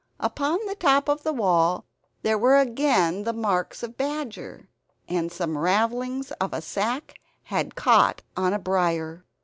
Upon the top of the wall there were again the marks of badger; and some ravellings of a sack had caught on a briar.